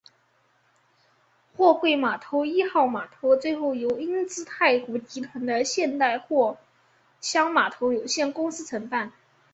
货柜码头一号码头最后由英资太古集团的现代货箱码头有限公司承办。